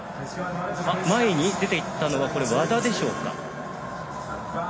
前に出ていったのはこれは和田でしょうか。